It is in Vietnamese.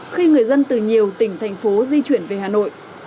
khi người dân từ nhiều tỉnh thành phố di chuyển về hà nội